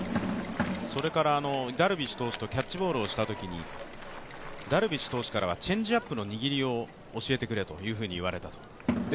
それからダルビッシュ投手とキャッチボールをしたときにダルビッシュ投手からはチェンジアップの握りを教えてくれといわれたと。